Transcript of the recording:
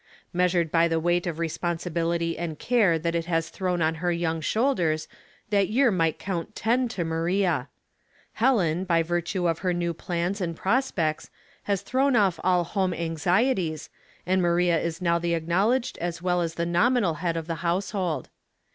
Measured by the weight of responsibility and care that it has thrown on her young shoulders that ^ear might count ten to Maria. Helen, by 153 15 i Household Puzzles, virtue of her new plans and prospects, haa thrown off all home anxieties, and Maria is now the acknowJedgea as well as the nominal head of the household.